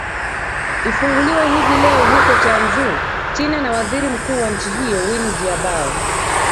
ifunguliwa hivi leo huko changzou china na waziri mkuu wa nchi hiyo win jiabao